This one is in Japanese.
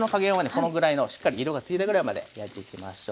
このぐらいのしっかり色がついたぐらいまで焼いていきましょう。